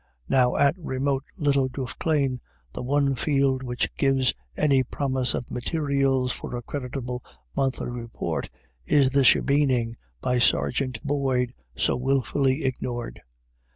Now at remote little Duffclane the one field which gives any promise of materials for a creditable monthly report is the shebeening by Sergeant Boyd so wilfully ignored.